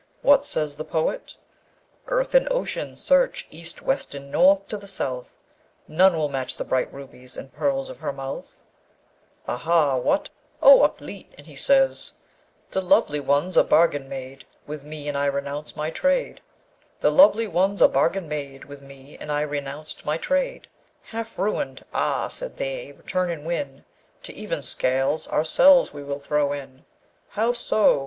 What says the poet? ''Earth and ocean search, East, West, and North, to the South, None will match the bright rubies and pearls of her mouth.'' 'Aha! what? O Ukleet! And he says: ''The lovely ones a bargain made With me, and I renounced my trade, Half ruined; 'Ah!' said they, 'return and win! To even scales ourselves we will throw in!'' How so?